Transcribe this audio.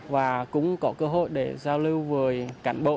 và cũng có cơ hội để giao lưu với cán bộ